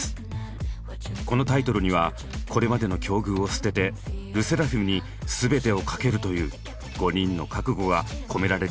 このタイトルにはこれまでの境遇を捨ててＬＥＳＳＥＲＡＦＩＭに全てをかけるという５人の覚悟が込められている。